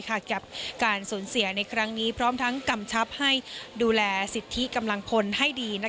กับการสูญเสียในครั้งนี้พร้อมทั้งกำชับให้ดูแลสิทธิกำลังพลให้ดี